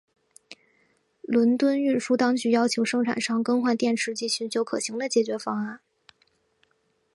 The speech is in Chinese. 伦敦运输当局要求生产商更换电池及寻求可行的解决方案。